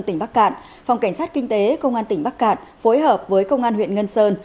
tỉnh bắc cạn phòng cảnh sát kinh tế công an tỉnh bắc cạn phối hợp với công an huyện ngân sơn